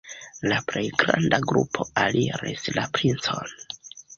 La plej granda grupo aliris la princon.